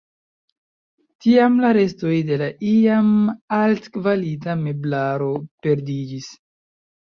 Tiam la restoj de la iam altkvalita meblaro perdiĝis.